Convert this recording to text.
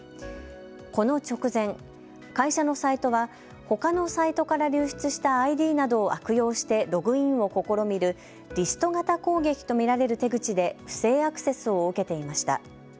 この直前、会社のサイトはほかのサイトから流出したＩＤなどを悪用してログインを試みるリスト型攻撃と見られる手口で不正アクセスを受けていました。